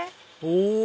お！